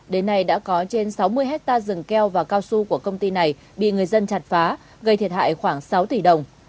đến nay đã có trên sáu mươi hectare rừng keo và cao su của công ty này bị người dân chặt phá gây thiệt hại khoảng sáu tỷ đồng